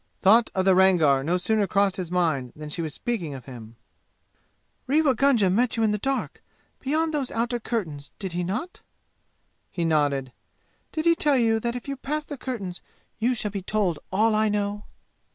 Thought of the Rangar no sooner crossed his mind than she was speaking of him. "Rewa Gunga met you in the dark, beyond those outer curtains, did he not?" He nodded. "Did he tell you that if you pass the curtains you shall be told all I know?"